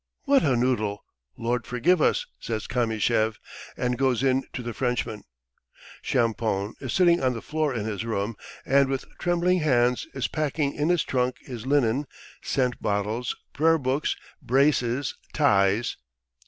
"What a noodle! Lord forgive us!" says Kamyshev, and goes in to the Frenchman. Champoun is sitting on the floor in his room, and with trembling hands is packing in his trunk his linen, scent bottles, prayer books, braces, ties.